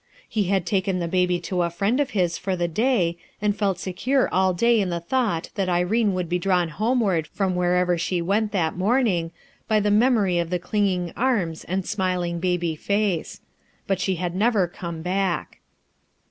Ho ha( , taken the baby to a friend of his for the day and felt secure all clay in the thought that Irene would be drawn homeward from wherever she went that morning, by the memory of the cling ing arms and smiling baby face. But she had never come back.